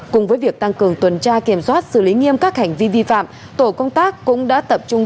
cùng với việc tăng cường tuần tra kiểm soát xử lý nghiêm các hành vi vi phạm tổ công tác cũng đã tập trung